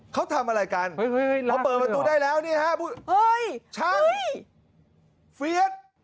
เฮ้ยเขาเปิดประตูได้แล้วเนี่ยฮะช่างเฟียส